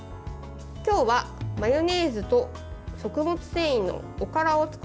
今日はマヨネーズと食物繊維のおからを使います。